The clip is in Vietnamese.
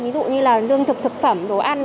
ví dụ như là lương thực thực phẩm đồ ăn